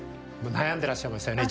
悩んでらっしゃいましたよね